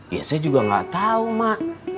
ya saya juga nggak tahu mak